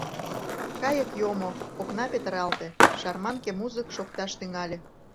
Кайык йомо, окна петыралте, шарманке музык шокташ тӱҥале.